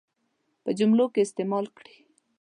په جملو کې استعمال کړي.